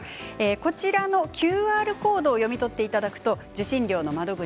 こちらのＱＲコードを読み取っていただくと受信料の窓口